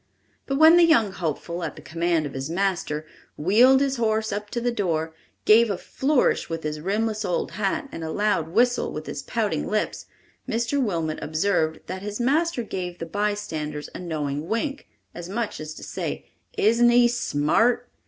But when the young hopeful, at the command of his master, wheeled his horse up to the door, gave a flourish with his rimless old hat and a loud whistle with his pouting lips, Mr. Wilmot observed that his master gave the bystanders a knowing wink, as much as to say, "Isn't he smart?"